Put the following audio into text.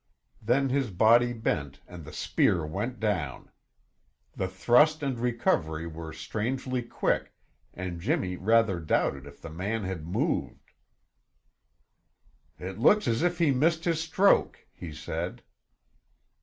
Then his body bent and the spear went down. The thrust and recovery were strangely quick and Jimmy rather doubted if the man had moved. "It looks as if he missed his stroke," he said.